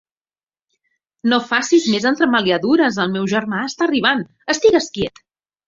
No facis més entremaliadures, el meu germà està arribant: estigues quiet!